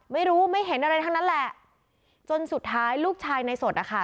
ไม่รู้ไม่เห็นอะไรทั้งนั้นแหละจนสุดท้ายลูกชายในสดนะคะ